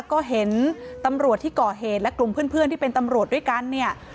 ก็เห็นตำรวจที่ก่อเหตุและกลุ่มเพื่อนที่เป็นตำรวจด้วยกันเนี่ย